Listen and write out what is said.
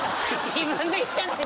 自分で言ったのに。